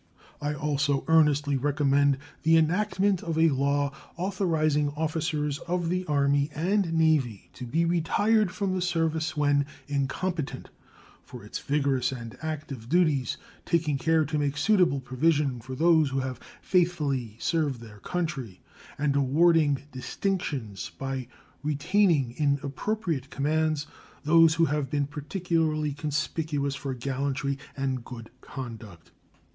I also earnestly recommend the enactment of a law authorizing officers of the Army and Navy to be retired from the service when incompetent for its vigorous and active duties, taking care to make suitable provision for those who have faithfully served their country and awarding distinctions by retaining in appropriate commands those who have been particularly conspicuous for gallantry and good conduct.